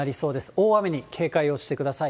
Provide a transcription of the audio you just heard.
大雨に警戒をしてください。